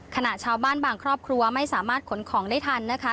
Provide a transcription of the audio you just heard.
ชาวบ้านบางครอบครัวไม่สามารถขนของได้ทันนะคะ